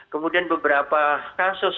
kemudian beberapa kasus dapat diberikan